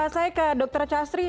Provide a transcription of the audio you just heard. saya ke dr chastri